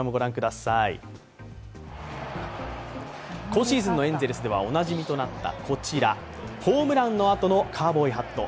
今シーズンのエンゼルスではおなじみとなったこちらホームランのあとのカウボーイバット。